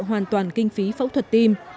hoàn toàn kinh phí phẫu thuật tim